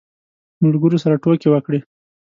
ملګرو سره ټوکې وکړې.